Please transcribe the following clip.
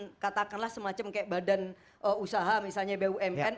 bisa bikin katakanlah semacam kayak badan usaha misalnya bumn